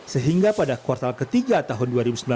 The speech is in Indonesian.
sehingga pada kuartal ketiga tahun dua ribu sembilan belas